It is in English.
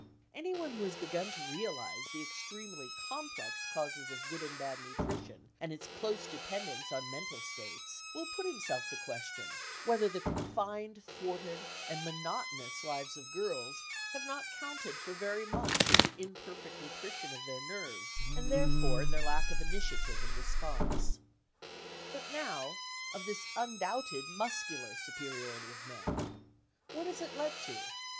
Anyone who has begun to realise the extremely complex causes of good and bad nutrition and its close dependence on mental states will put himself the question whether the confined, thwarted, and monotonous lives of girls have not counted for very much in the imperfect nutrition of their nerves and therefore in their lack of initiative and response. But now, of this undoubted muscular superiority of men. What has it led to?